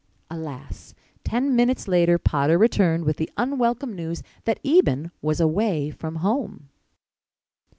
Alas! Ten minutes later Potter returned with the unwelcome news that Eben was away from home.